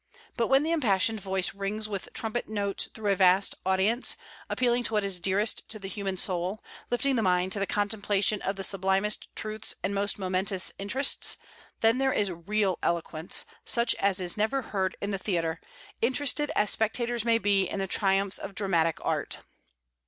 But when the impassioned voice rings with trumpet notes through a vast audience, appealing to what is dearest to the human soul, lifting the mind to the contemplation of the sublimest truths and most momentous interests, then there is real eloquence, such as is never heard in the theatre, interested as spectators may be in the triumphs of dramatic art.